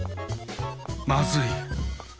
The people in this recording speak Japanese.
まずい！